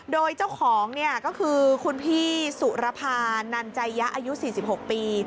โดยเจ้าของเนี่ยก็คือคุณพี่สุรภานันใจยะอายุ๔๖ปี